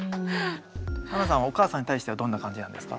あんなさんはお母さんに対してはどんな感じなんですか？